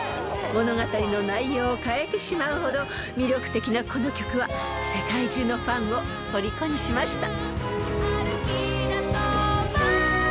［物語の内容を変えてしまうほど魅力的なこの曲は世界中のファンをとりこにしました］